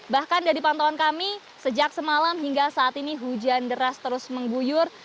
bahkan dari pantauan kami sejak semalam hingga saat ini hujan deras terus mengguyur